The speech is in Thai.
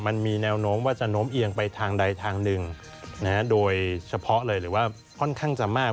มันมีแนวโน้มว่าจะโน้มเอียงไปทางใดทางหนึ่งโดยเฉพาะเลยหรือว่าค่อนข้างจะมาก